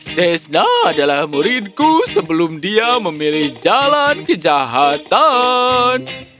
sesna adalah muridku sebelum dia memilih jalan kejahatan